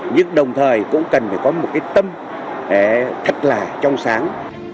nhưng đồng thời cũng cần phải có một cái tâm rất là trong sáng